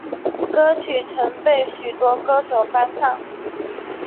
歌曲曾被许多歌手翻唱。